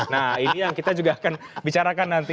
nah ini yang kita juga akan bicarakan nanti